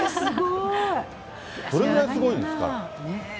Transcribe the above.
それぐらいすごいんですから。